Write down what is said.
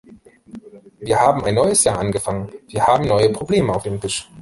Wir haben ein neues Jahr angefangen, wir haben neue Probleme auf dem Tisch.